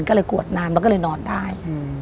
ก็เลยกวดน้ำแล้วก็เลยนอนได้